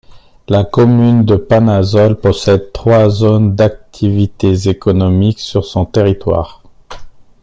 La commune de Panazol possède trois zones d'activités économiques sur son territoire.